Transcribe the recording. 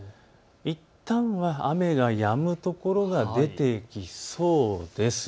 いったんは雨がやむ所が出てきそうです。